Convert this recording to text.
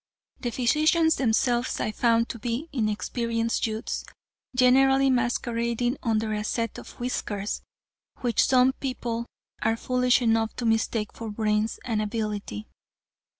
The physicians themselves I found to be inexperienced youths, generally masquerading under a set of whiskers, which some people are foolish enough to mistake for brains and ability.